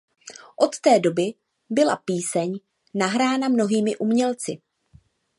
Od té doby byla píseň nahrána mnohými umělci.